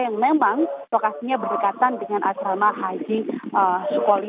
yang memang lokasinya berdekatan dengan asrama haji sukoli